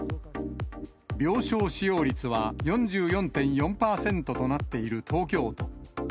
病床使用率は４４．４％となっている東京都。